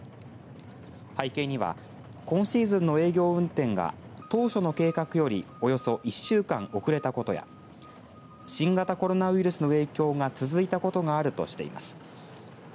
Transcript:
背景には今シーズンの営業運転が当初の計画よりおよそ１週間遅れたことや新型コロナウイルスの影響が続いたことがあるとしています。